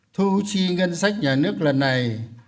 thu chi ngân sách nhà nước lần này